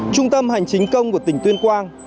trung tâm hành chính công của tỉnh tuyên quang